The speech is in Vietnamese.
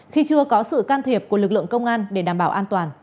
khi chưa có sự can thiệp của lực lượng công an để đảm bảo an toàn